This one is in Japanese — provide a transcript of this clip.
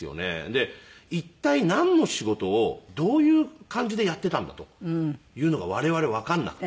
で一体なんの仕事をどういう感じでやっていたんだというのが我々わかんなくて。